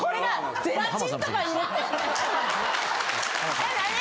えっ何？